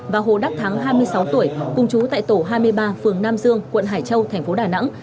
và hồ đắc thắng hai mươi sáu tuổi cùng chú tại tổ hai mươi ba phường nam dương quận hải châu thành phố đà nẵng